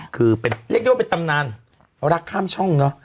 คือเรียกได้ว่าเป็นตำนานรักข้ามช่องเนอะ